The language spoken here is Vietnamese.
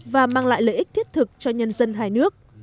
và mang lại lợi ích thiết thực cho nhân dân hai nước